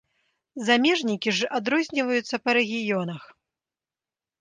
Замежнікі ж адрозніваюцца па рэгіёнах.